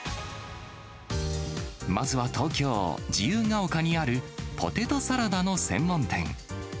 まずは東京・自由が丘にあるポテトサラダの専門店。